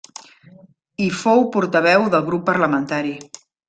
Hi fou portaveu del grup parlamentari.